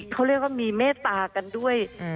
เขาเรียกว่ามีเมตตากันด้วย